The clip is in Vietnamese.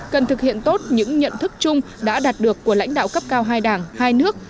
cần thực hiện tốt những nhận thức chung đã đạt được của lãnh đạo cấp cao hai đảng hai nước